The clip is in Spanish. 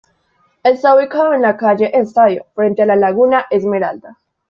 Está ubicado en la calle Estadio, frente a la Laguna Esmeralda.